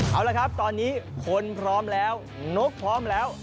เอาละครับตอนนี้คนพร้อมแล้วนกพร้อมแล้ว